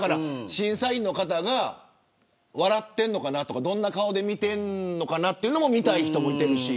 審査員の方が笑っているのかなとかどんな顔で見ているのかなとか見たい人もいてるし。